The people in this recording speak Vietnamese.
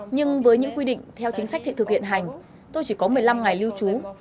nhưng với những quy định theo chính sách thị thực hiện hành tôi chỉ có một mươi năm ngày lưu trú